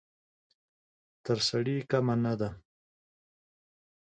تر سړي کمه نه ده.